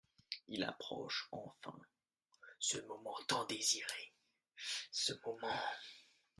Il approche enfin, ce moment tant désiré… ce moment…